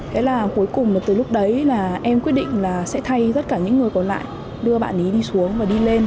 cái là cuối cùng là từ lúc đấy là em quyết định là sẽ thay tất cả những người còn lại đưa bạn ấy đi xuống và đi lên